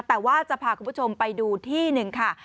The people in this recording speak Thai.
แต่ว่าจะพาคุณผู้ชมไปดูที่หนึ่งค่ะ